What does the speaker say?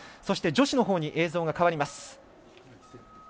女子のほうに映像が変わります。